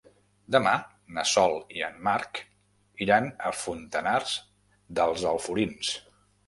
Demà na Sol i en Marc iran a Fontanars dels Alforins.